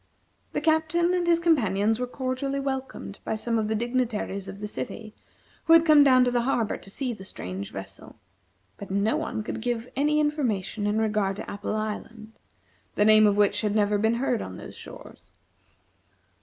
The Captain and his companions were cordially welcomed by some of the dignitaries of the city who had come down to the harbor to see the strange vessel; but no one could give any information in regard to Apple Island, the name of which had never been heard on those shores.